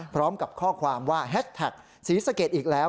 พร้อมกับข้อความว่าแฮชแท็กศรีสะเกดอีกแล้ว